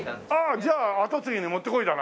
じゃあ跡継ぎにもってこいだな。